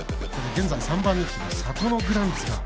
現在３番人気のサトノグランツが。